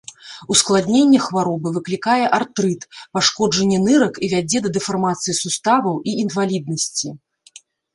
Ускладненне хваробы выклікае артрыт, пашкоджанне нырак і вядзе да дэфармацыі суставаў і інваліднасці.